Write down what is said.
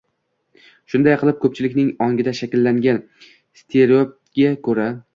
Shunday qilib, ko‘pchilikning ongida shakllangan steriotipga ko‘ra